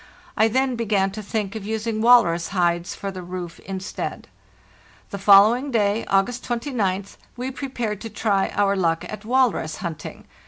I then began to think of using walrus hides for the roof instead. The following day (August 29th) we prepared to try our luck at walrus hunting.